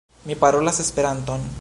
Mi parolas Esperanton.